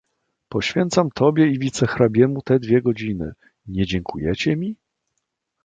"Poświęcam tobie i wicehrabiemu te dwie godziny: nie dziękujecie mi?"